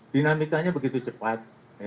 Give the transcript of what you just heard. dinamikanya begitu cepat